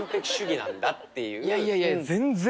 いやいやいや全然。